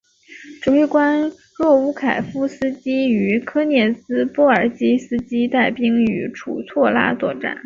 指挥官若乌凯夫斯基与科涅茨波尔斯基带兵至楚措拉作战。